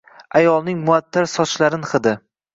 Ayolning muattar sochlarin hidi